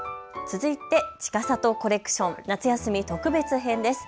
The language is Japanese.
続いて、ちかさとコレクション夏休み特別編です。